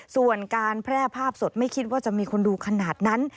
ส่วนการแพร่ภาพสดไม่คิดว่าจะมีคนดูขนาดนั้น